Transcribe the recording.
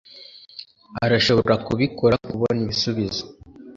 arashobora kubikora, kubona ibisubizo